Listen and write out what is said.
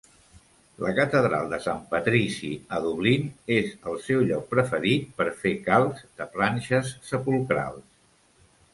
La catedral de Sant Patrici, a Dublín, és el seu lloc preferit per fer calcs de planxes sepulcrals.